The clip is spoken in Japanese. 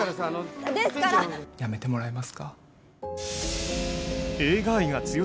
辞めてもらえますか。